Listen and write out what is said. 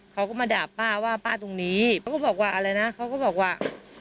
เขาก็มาด่าป้าว่าป้าตรงนี้ป้าก็บอกว่าอะไรนะเขาก็บอกว่า